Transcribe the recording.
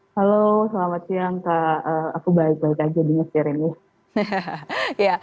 halo selamat siang kak aku baik baik aja di mesir ini